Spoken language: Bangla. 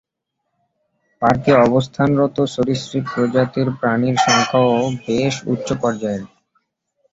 পার্কে অবস্থানরত সরীসৃপ প্রজাতির প্রাণীর সংখ্যাও বেশ উচ্চ পর্যায়ের।